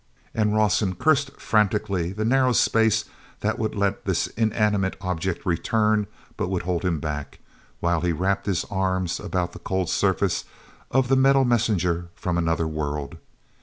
And Rawson cursed frantically the narrow space that would let this inanimate object return but would hold him back, while he wrapped his arms about the cold surface of the metal messenger from another world.